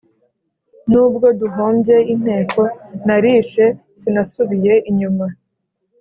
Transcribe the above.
N’ubwo duhombye inteko nari she sinasubiye inyuma